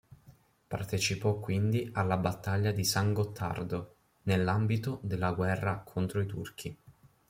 Partecipò quindi alla battaglia di San Gottardo, nell'ambito della guerra contro i turchi.